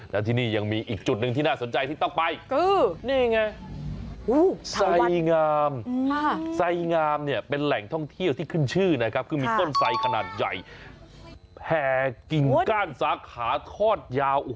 และที่นี่ยังมีอีกจุดหนึ่งที่น่าสนใจที่ต้องไปคือนี่ไงไสงามไสงามเนี่ยเป็นแหล่งท่องเที่ยวที่ขึ้นชื่อนะครับคือมีต้นไสขนาดใหญ่แห่กิ่งก้านสาขาทอดยาว